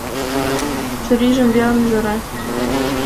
Чурийжым велен ӱжара…